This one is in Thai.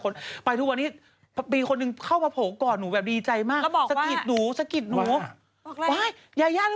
นี่ที่ช่างข้างนะคะนี่แอลล์จี้นะคะ